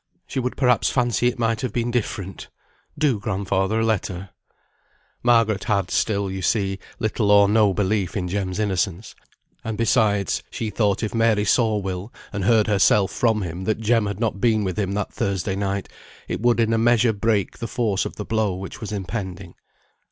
She would perhaps fancy it might have been different; do, grandfather, let her." Margaret had still, you see, little or no belief in Jem's innocence; and besides, she thought if Mary saw Will, and heard herself from him that Jem had not been with him that Thursday night, it would in a measure break the force of the blow which was impending.